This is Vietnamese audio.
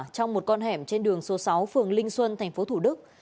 trong một con hẻm trên đường số sáu phường linh xuân thành phố thủ đức